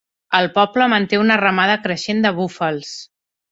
El poble manté una ramada creixent de búfals.